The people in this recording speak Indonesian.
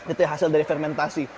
itu hasil dari fermentasi